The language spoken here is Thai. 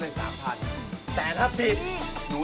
คุณคิดว่าเขาทำได้หรือไม่